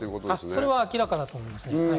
それは明らかだと思います。